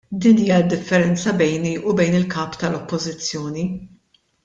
Din hija d-differenza bejni u bejn il-Kap tal-Oppożizzjoni.